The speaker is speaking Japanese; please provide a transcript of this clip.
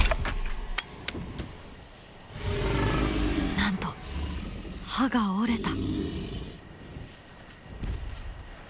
なんと歯が折れた。